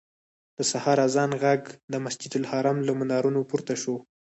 د سهار اذان غږ د مسجدالحرام له منارونو پورته شو.